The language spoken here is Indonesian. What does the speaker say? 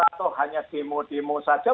atau hanya demo demo saja